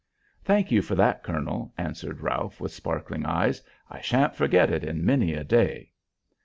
"Thank you for that, colonel," answered Ralph, with sparkling eyes. "I sha'n't forget it in many a day."